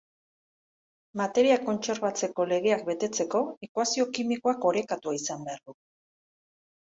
Materia kontserbatzeko legeak betetzeko, ekuazio kimikoak orekatua izan behar du.